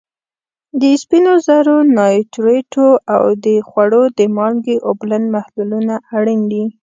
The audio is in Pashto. د سپینو زرو نایټریټو او د خوړو د مالګې اوبلن محلولونه اړین دي.